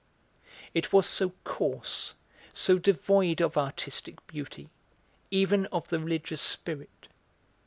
It was so coarse, so devoid of artistic beauty, even of the religious spirit.